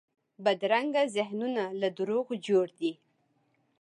بدرنګه ذهنونه له دروغو جوړ دي